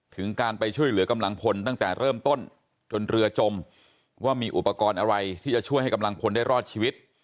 ถึงการไปช่วยเหลือกำลังพลตั้งแต่เริ่มต้นจนเรือจมว่ามีอุปกรณ์อะไรที่จะช่วยให้กำลังพลได้รอดชีวิต